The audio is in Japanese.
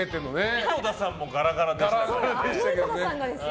井戸田さんもガラガラでしたよ。